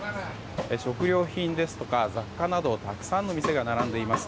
食料品ですとか、雑貨などたくさんの店が並んでいます。